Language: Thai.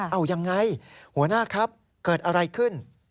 เอายังไงหัวหน้าครับเกิดอะไรขึ้น